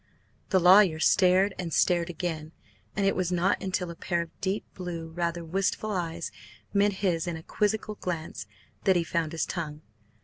The lawyer stared and stared again, and it was not until a pair of deep blue, rather wistful eyes met his in a quizzical glance, that he found his tongue.